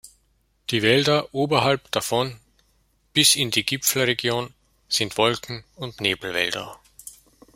Die Wälder oberhalb davon bis in die Gipfelregion sind Wolken- und Nebelwälder.